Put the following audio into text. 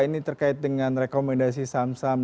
ini terkait dengan rekomendasi sam sam